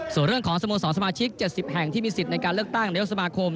ส่วนเรื่องของสโมสรสมาชิก๗๐แห่งที่มีสิทธิ์ในการเลือกตั้งนายกสมาคม